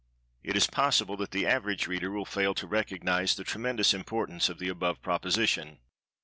It is possible that the average reader will fail to recognize the tremendous importance of the above proposition.